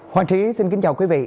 hoàng trí xin kính chào quý vị